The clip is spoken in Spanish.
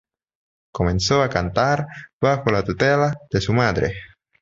Comenzó a cantar bajo la tutela de su madre.